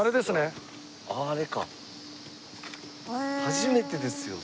初めてですよ